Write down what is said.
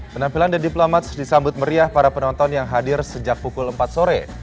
penampilan the diplomats disambut meriah para penonton yang hadir sejak pukul empat sore